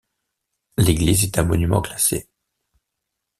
L'église est un monument classé.